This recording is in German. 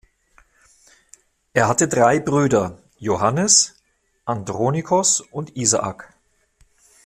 Er hatte drei Brüder, Johannes, Andronikos und Isaak.